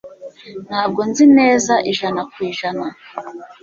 Ntabwo nzi neza ijana ku ijana.